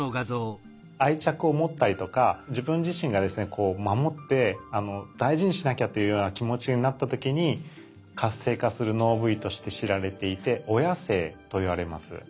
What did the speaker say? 愛着を持ったりとか自分自身がですね守って大事にしなきゃというような気持ちになった時に活性化する脳部位として知られていて「親性」といわれます。